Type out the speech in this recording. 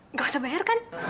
nggak usah bayar kan